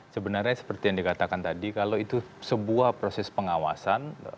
sebenarnya seperti yang dikatakan tadi kalau itu sebuah proses pengawasan